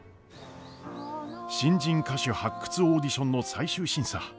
新人歌手発掘オーディションの最終審査。